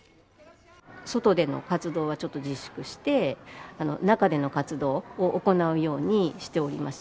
外での活動はちょっと自粛して、中での活動を行うようにしております。